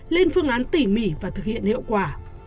lên phương án tỉ mỉ và thực hiện hiệu quả